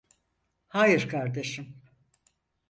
Hayır kardeşim.